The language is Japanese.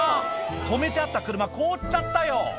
止めてあった車凍っちゃったよ